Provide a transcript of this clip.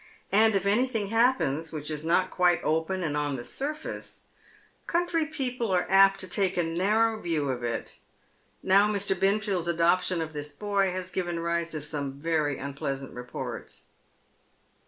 " And if anything happens which is not quite open and on the fiurface, countiy people are apt to take a narrow view of it. No's* Mr. Benfield's adoption of this boy has given rise to some very unpleasant reports."